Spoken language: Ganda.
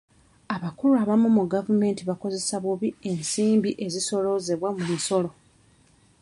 Abakulu abamu mu gavumenti bakozesa bubi ensimbi ezisooloozebwa mu misolo.